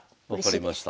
分かりました。